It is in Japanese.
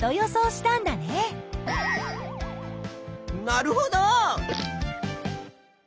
なるほど！